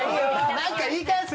何か言い返せ！